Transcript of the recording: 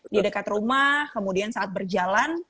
di dekat rumah kemudian saat berjalan